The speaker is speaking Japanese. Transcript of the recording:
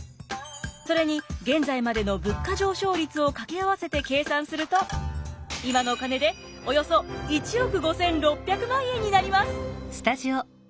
それに現在までの物価上昇率を掛け合わせて計算すると今のお金でおよそ１億５，６００万円になります。